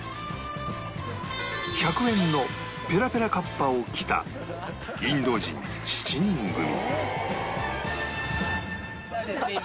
１００円のペラペラカッパを着たインド人７人組